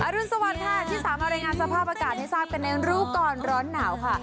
รุนสวัสดิ์ค่ะที่สามารถรายงานสภาพอากาศให้ทราบกันในรู้ก่อนร้อนหนาวค่ะ